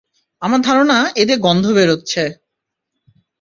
আমার ধারণা এ দিয়ে গন্ধ বেরোচ্ছে!